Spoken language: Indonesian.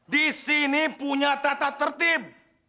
di sini punya tata tertib